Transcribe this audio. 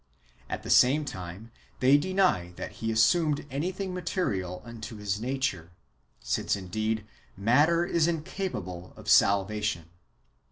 At the same time, they deny that He assumed anything material [into His nature], since indeed matter is incapable of salva tion.